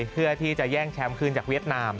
เพื่อที่จะแย่งแชมป์คืนจากเวียดนาม